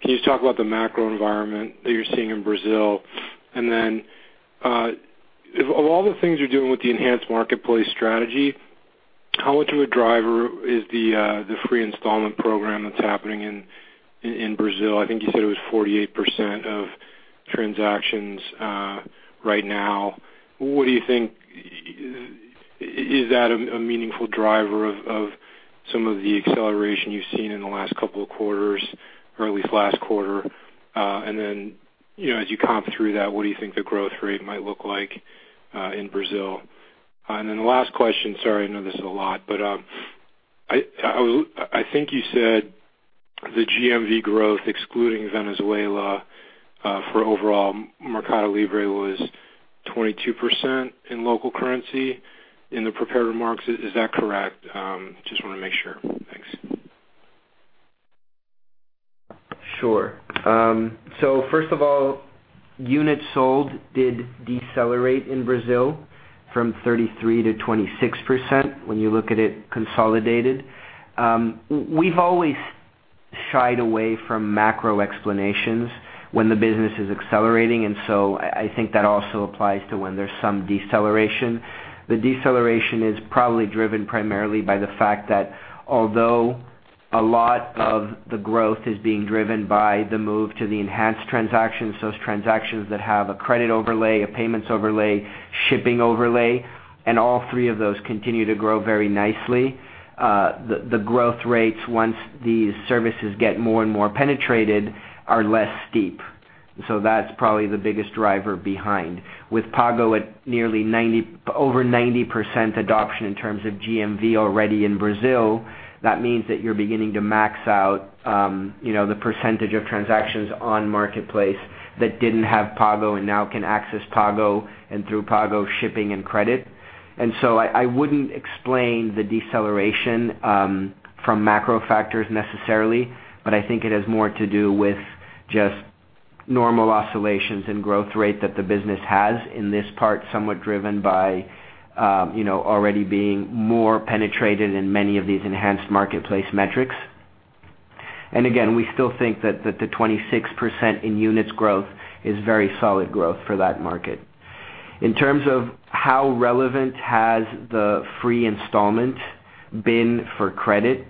can you talk about the macro environment that you're seeing in Brazil? Then, of all the things you're doing with the enhanced marketplace strategy, how much of a driver is the free installment program that's happening in Brazil? I think you said it was 48% of transactions right now. Is that a meaningful driver of some of the acceleration you've seen in the last couple of quarters, or at least last quarter? Then, as you comp through that, what do you think the growth rate might look like in Brazil? The last question, sorry, I know this is a lot, but I think you said the GMV growth, excluding Venezuela, for overall MercadoLibre was 22% in local currency in the prepared remarks. Is that correct? Just want to make sure. Thanks. Sure. First of all, units sold did decelerate in Brazil from 33% to 26% when you look at it consolidated. We've always shied away from macro explanations when the business is accelerating, and so I think that also applies to when there's some deceleration. The deceleration is probably driven primarily by the fact that although a lot of the growth is being driven by the move to the enhanced transactions, those transactions that have a credit overlay, a payments overlay, shipping overlay, and all three of those continue to grow very nicely. The growth rates, once these services get more and more penetrated, are less steep. That's probably the biggest driver behind. With Pago at over 90% adoption in terms of GMV already in Brazil, that means that you're beginning to max out the percentage of transactions on marketplace that didn't have Pago and now can access Pago and through Pago, shipping and credit. I wouldn't explain the deceleration from macro factors necessarily, but I think it has more to do with just normal oscillations in growth rate that the business has in this part, somewhat driven by already being more penetrated in many of these enhanced marketplace metrics. Again, we still think that the 26% in units growth is very solid growth for that market. In terms of how relevant has the free installment been for credit,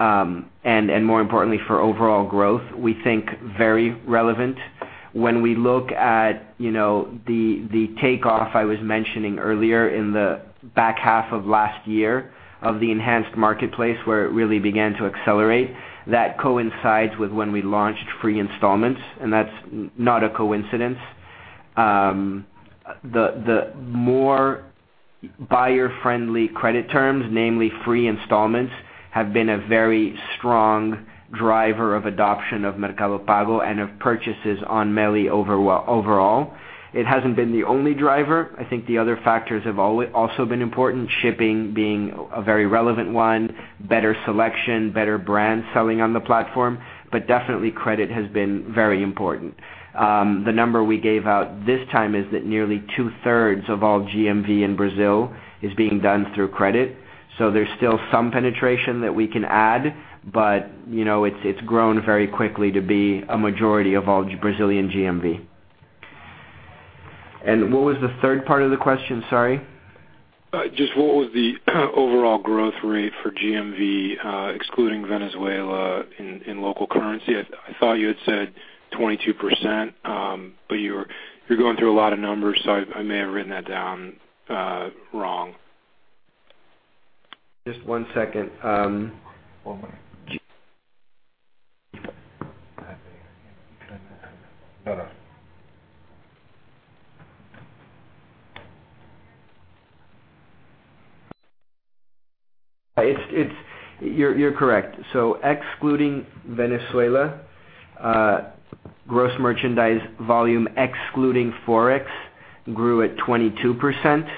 and more importantly, for overall growth, we think very relevant. When we look at the takeoff I was mentioning earlier in the back half of last year of the enhanced marketplace where it really began to accelerate, that coincides with when we launched free installments, and that's not a coincidence. The more buyer-friendly credit terms, namely free installments, have been a very strong driver of adoption of Mercado Pago and of purchases on MELI overall. It hasn't been the only driver. I think the other factors have also been important, shipping being a very relevant one, better selection, better brands selling on the platform. Definitely credit has been very important. The number we gave out this time is that nearly two-thirds of all GMV in Brazil is being done through credit. There's still some penetration that we can add, but it's grown very quickly to be a majority of all Brazilian GMV. What was the third part of the question? Sorry. Just what was the overall growth rate for GMV, excluding Venezuela in local currency? I thought you had said 22%, but you're going through a lot of numbers, so I may have written that down wrong. Just one second. You're correct. Excluding Venezuela, gross merchandise volume, excluding Forex, grew at 22%.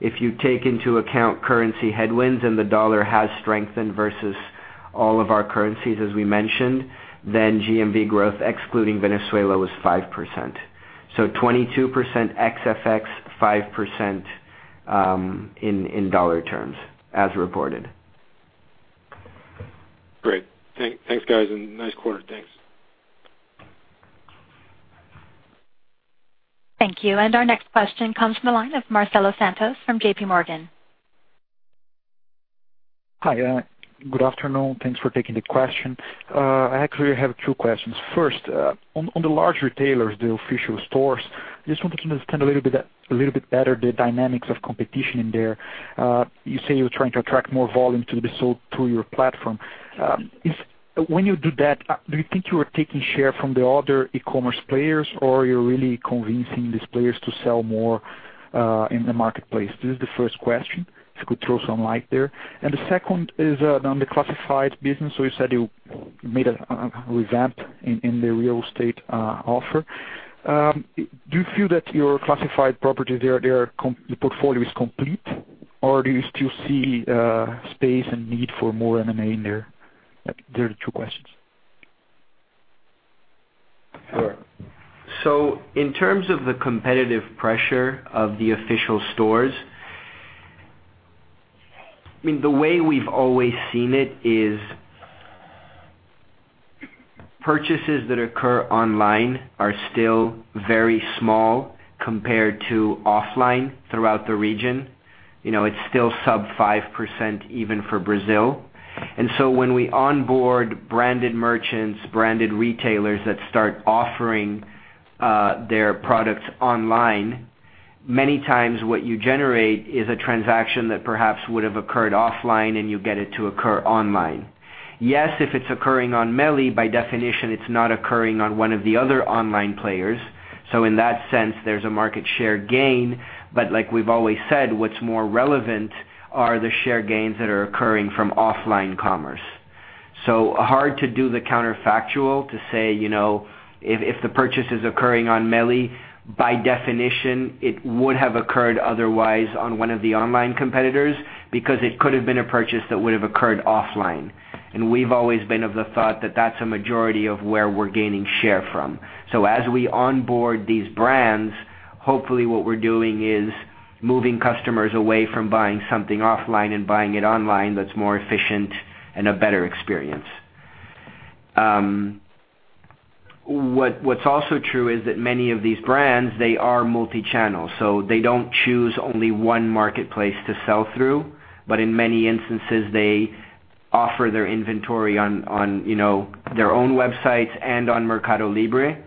If you take into account currency headwinds, and the dollar has strengthened versus all of our currencies, as we mentioned, then GMV growth excluding Venezuela was 5%. 22% ex FX, 5% in dollar terms as reported. Great. Thanks, guys, and nice quarter. Thanks. Thank you. Our next question comes from the line of Marcelo Santos from JP Morgan. Hi. Good afternoon. Thanks for taking the question. I actually have two questions. First, on the large retailers, the official stores, I just wanted to understand a little bit better the dynamics of competition in there. You say you're trying to attract more volume to be sold through your platform. When you do that, do you think you are taking share from the other e-commerce players, or you're really convincing these players to sell more in the marketplace? This is the first question. If you could throw some light there. The second is on the classified business. You said you made a revamp in the real estate offer. Do you feel that your classified property there, the portfolio is complete, or do you still see space and need for more M&A in there? They're the two questions. Sure. In terms of the competitive pressure of the official stores. I mean, the way we've always seen it is purchases that occur online are still very small compared to offline throughout the region. It's still sub 5% even for Brazil. When we onboard branded merchants, branded retailers that start offering their products online, many times what you generate is a transaction that perhaps would have occurred offline, and you get it to occur online. Yes, if it's occurring on MELI, by definition, it's not occurring on one of the other online players. In that sense, there's a market share gain. Like we've always said, what's more relevant are the share gains that are occurring from offline commerce. Hard to do the counterfactual to say, if the purchase is occurring on MELI, by definition, it would have occurred otherwise on one of the online competitors because it could have been a purchase that would have occurred offline. We've always been of the thought that that's a majority of where we're gaining share from. As we onboard these brands, hopefully what we're doing is moving customers away from buying something offline and buying it online that's more efficient and a better experience. What's also true is that many of these brands, they are multi-channel, so they don't choose only one marketplace to sell through. But in many instances, they offer their inventory on their own websites and on MercadoLibre.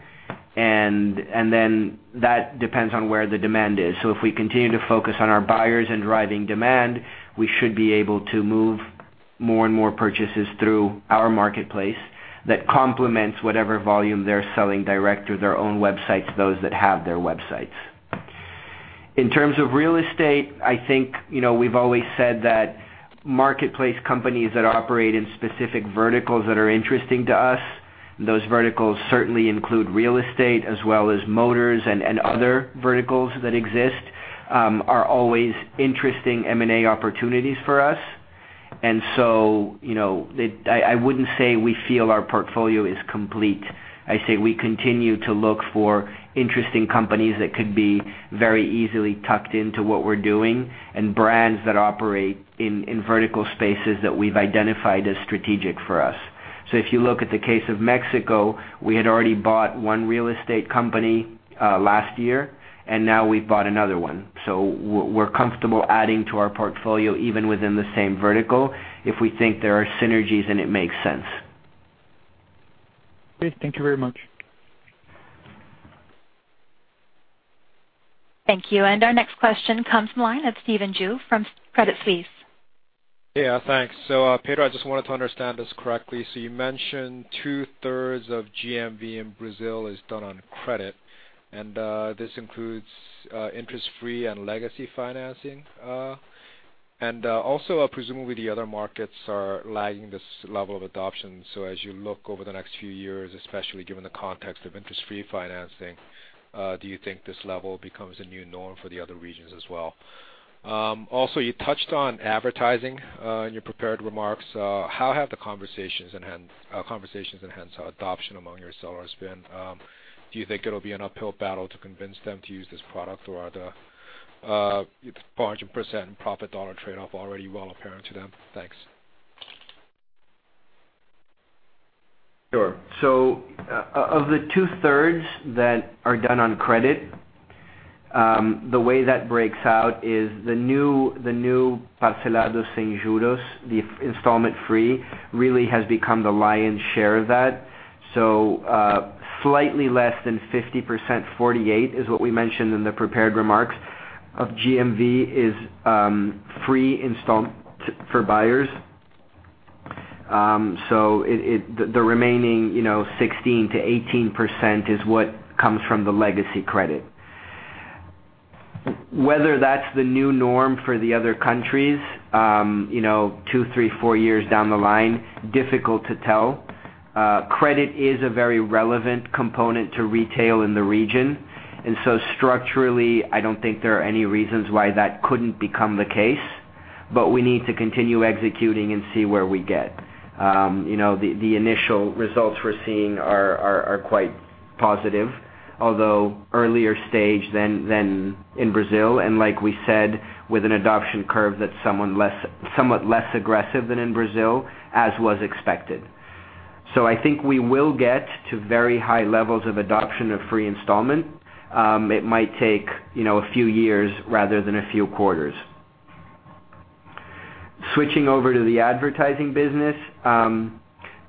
That depends on where the demand is. If we continue to focus on our buyers and driving demand, we should be able to move more and more purchases through our marketplace that complements whatever volume they're selling direct through their own websites, those that have their websites. In terms of real estate, I think we've always said that marketplace companies that operate in specific verticals that are interesting to us, and those verticals certainly include real estate as well as motors and other verticals that exist, are always interesting M&A opportunities for us. I wouldn't say we feel our portfolio is complete. I say we continue to look for interesting companies that could be very easily tucked into what we're doing and brands that operate in vertical spaces that we've identified as strategic for us. If you look at the case of Mexico, we had already bought one real estate company last year, and now we've bought another one. We're comfortable adding to our portfolio even within the same vertical if we think there are synergies and it makes sense. Great. Thank you very much. Thank you. Our next question comes from the line of Stephen Ju from Credit Suisse. Thanks. Pedro, I just wanted to understand this correctly. You mentioned two-thirds of GMV in Brazil is done on credit, and this includes interest-free and legacy financing. Presumably the other markets are lagging this level of adoption. As you look over the next few years, especially given the context of interest-free financing, do you think this level becomes a new norm for the other regions as well? You touched on advertising, in your prepared remarks. How have the conversations and hence adoption among your sellers been? Do you think it'll be an uphill battle to convince them to use this product or are the margin % and profit $ trade-off already well apparent to them? Thanks. Sure. Of the two-thirds that are done on credit, the way that breaks out is the new parcelados sem juros, the installment-free, really has become the lion's share of that. Slightly less than 50%, 48% is what we mentioned in the prepared remarks of GMV is free installment for buyers. The remaining 16%-18% is what comes from the legacy credit. Whether that's the new norm for the other countries, two, three, four years down the line, difficult to tell. Credit is a very relevant component to retail in the region. Structurally, I don't think there are any reasons why that couldn't become the case, but we need to continue executing and see where we get. The initial results we're seeing are quite positive, although earlier stage than in Brazil, and like we said, with an adoption curve that's somewhat less aggressive than in Brazil, as was expected. I think we will get to very high levels of adoption of free installment. It might take a few years rather than a few quarters. Switching over to the advertising business.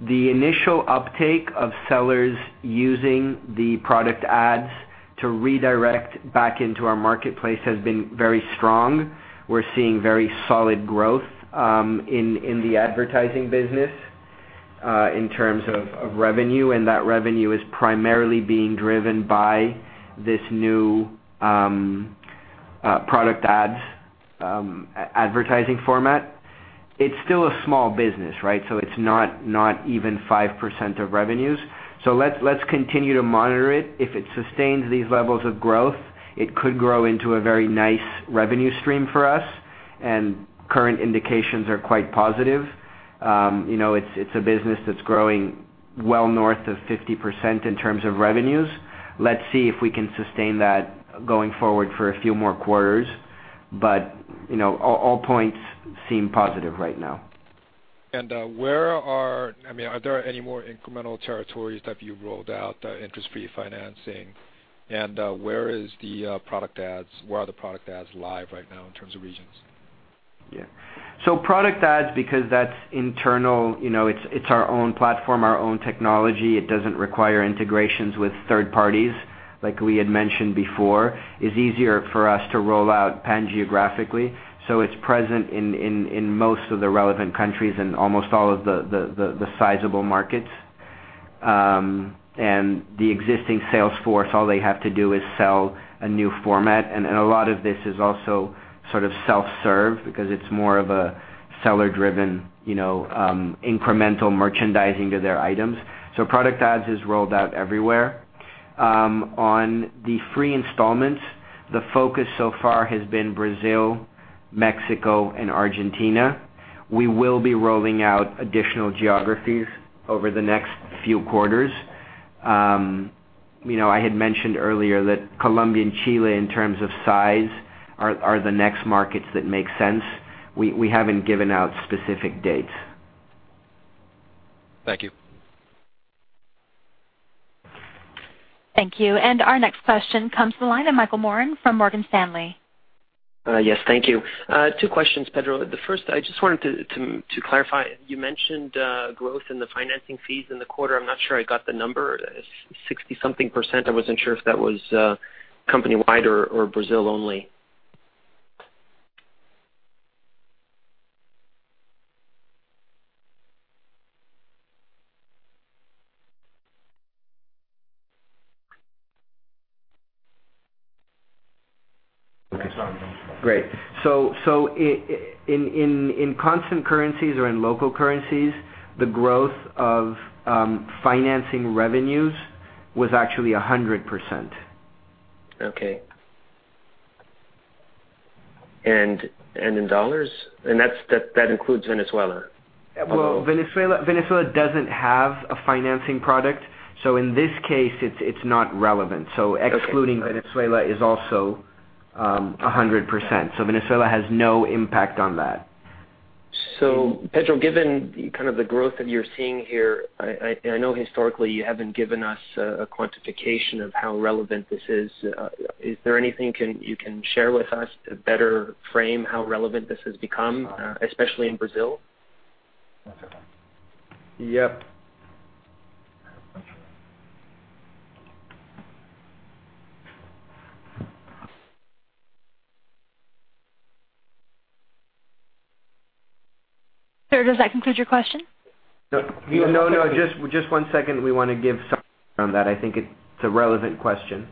The initial uptake of sellers using the product ads to redirect back into our marketplace has been very strong. We're seeing very solid growth in the advertising business, in terms of revenue, and that revenue is primarily being driven by this new product ads advertising format. It's still a small business, right? It's not even 5% of revenues. Let's continue to monitor it. If it sustains these levels of growth, it could grow into a very nice revenue stream for us, and current indications are quite positive. It's a business that's growing well north of 50% in terms of revenues. Let's see if we can sustain that going forward for a few more quarters. All points seem positive right now. Where are there any more incremental territories that you've rolled out interest-free financing? Where are the product ads live right now in terms of regions? Yeah. Product ads, because that's internal, it's our own platform, our own technology. It doesn't require integrations with third parties, like we had mentioned before. It's easier for us to roll out pan-geographically. It's present in most of the relevant countries and almost all of the sizable markets. The existing sales force, all they have to do is sell a new format. A lot of this is also sort of self-serve because it's more of a seller-driven, incremental merchandising of their items. Product ads is rolled out everywhere. On the free installments, the focus so far has been Brazil, Mexico, and Argentina. We will be rolling out additional geographies over the next few quarters. I had mentioned earlier that Colombia and Chile, in terms of size, are the next markets that make sense. We haven't given out specific dates. Thank you. Thank you. Our next question comes to the line of Michael Morin from Morgan Stanley. Yes, thank you. Two questions, Pedro. The first, I just wanted to clarify, you mentioned growth in the financing fees in the quarter. I'm not sure I got the number. 60-something%. I wasn't sure if that was company-wide or Brazil only. Great. In constant currencies or in local currencies, the growth of financing revenues was actually 100%. In dollars? That includes Venezuela? Well, Venezuela doesn't have a financing product, so in this case, it's not relevant. Excluding Venezuela is also 100%. Venezuela has no impact on that. Pedro, given the growth that you're seeing here, I know historically you haven't given us a quantification of how relevant this is. Is there anything you can share with us to better frame how relevant this has become, especially in Brazil? Yep. Sir, does that conclude your question? No. Just one second. We want to give some on that. I think it's a relevant question.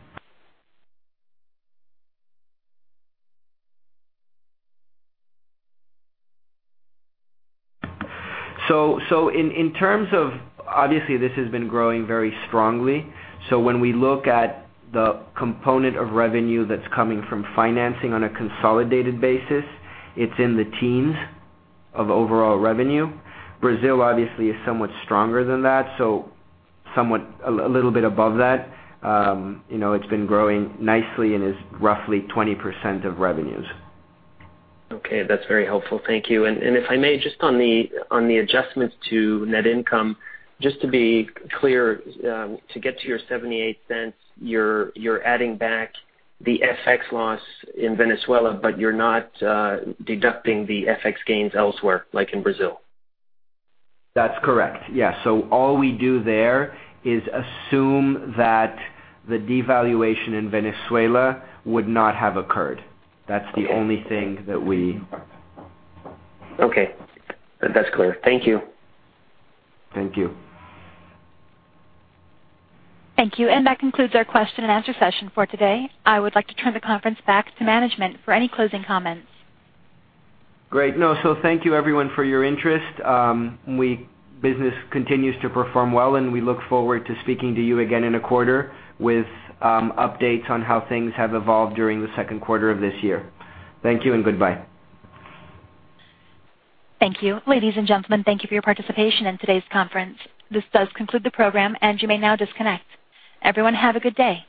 Obviously, this has been growing very strongly. When we look at the component of revenue that's coming from financing on a consolidated basis, it's in the teens of overall revenue. Brazil, obviously, is somewhat stronger than that, a little bit above that. It's been growing nicely and is roughly 20% of revenues. Okay. That's very helpful. Thank you. If I may, just on the adjustments to net income, just to be clear, to get to your $0.78, you're adding back the FX loss in Venezuela, but you're not deducting the FX gains elsewhere, like in Brazil? That's correct. Yeah. All we do there is assume that the devaluation in Venezuela would not have occurred. That's the only thing that we Okay. That's clear. Thank you. Thank you. Thank you. That concludes our question and answer session for today. I would like to turn the conference back to management for any closing comments. Great. Thank you everyone for your interest. Business continues to perform well, and we look forward to speaking to you again in a quarter with updates on how things have evolved during the second quarter of this year. Thank you and goodbye. Thank you. Ladies and gentlemen, thank you for your participation in today's conference. This does conclude the program, and you may now disconnect. Everyone, have a good day.